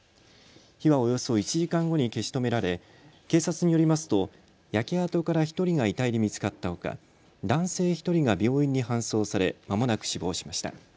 火は、およそ１時間後に消し止められ警察によりますと焼け跡から１人が遺体で見つかったほか男性１人が病院に搬送されまもなく死亡しました。